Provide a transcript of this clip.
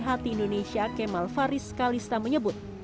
hati indonesia kemal faris kalista menyebut